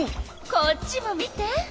こっちも見て！